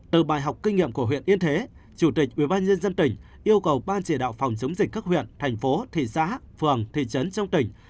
từ bài học kinh nghiệm của huyện yên thế chủ tịch ubnd tỉnh yêu cầu ban chỉ đạo phòng chống dịch các huyện thành phố thị xã phường thị trấn trong tỉnh